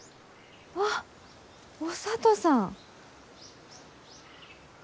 あっお聡さん。